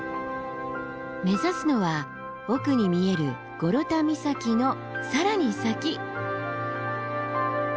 目指すのは奥に見えるゴロタ岬の更に先。